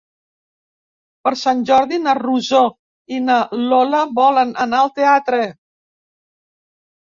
Per Sant Jordi na Rosó i na Lola volen anar al teatre.